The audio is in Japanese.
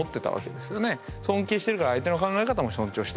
尊敬してるから相手の考え方も尊重したい。